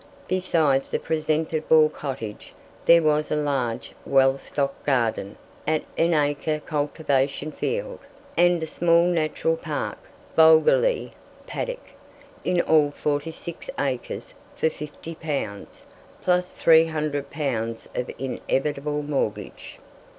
Besides the presentable cottage, there was a large, well stocked garden, at enacre cultivation field, and a small natural park (vulgarly, paddock), in all 46 acres, for 50 pounds, plus 300 pounds of inevitable mortgage.